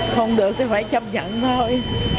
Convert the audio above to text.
không được thì phải chấp nhận thôi